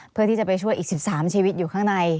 เพื่อที่จะไปช่วยอีก๑๓ชีวิตอยู่ข้างใน